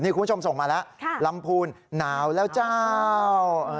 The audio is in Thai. คุณผู้ชมส่งมาแล้วลำพูนหนาวแล้วเจ้า